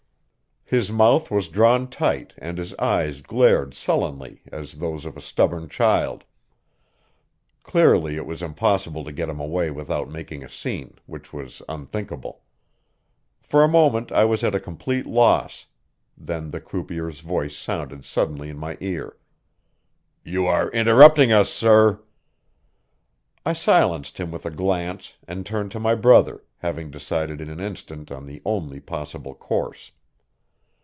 His mouth was drawn tight and his eyes glared sullenly as those of a stubborn child. Clearly it was impossible to get him away without making a scene, which was unthinkable. For a moment I was at a complete loss; then the croupier's voice sounded suddenly in my ear: "You are interrupting us, sir." I silenced him with a glance and turned to my brother, having decided in an instant on the only possible course.